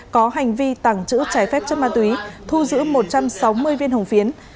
có hành vi tàng trữ trái phép chất ma túy thu giữ một trăm sáu mươi viên hồng phiến